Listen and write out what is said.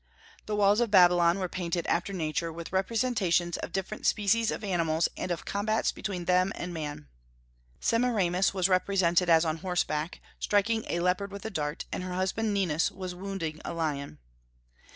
The walls of Babylon were painted after Nature with representations of different species of animals and of combats between them and man. Semiramis was represented as on horseback, striking a leopard with a dart, and her husband Ninus as wounding a lion.